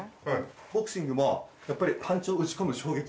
ボクシングもやっぱりパンチを打ち込む衝撃。